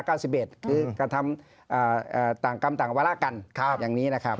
คือกระทำต่างกรรมต่างวาระกันอย่างนี้นะครับ